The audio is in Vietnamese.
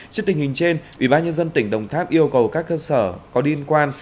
trước tình hình trên ủy ban nhân dân tỉnh đồng tháp yêu cầu các cơ sở có liên quan